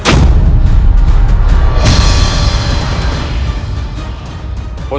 perintah kembar itu